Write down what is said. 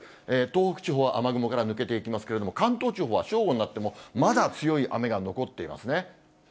東北地方は雨雲から抜けていきますけれども、関東地方は正午になっても、まだ強い雨が残っていますね。